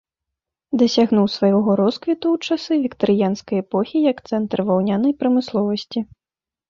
Дасягнуў свайго росквіту ў часы віктарыянскай эпохі як цэнтр ваўнянай прамысловасці.